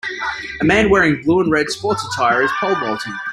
A man wearing blue and red sports attire is pole vaulting.